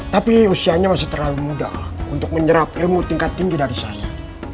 tapi usianya masih terlalu muda untuk menyerap ilmu tingkat tinggi dari saya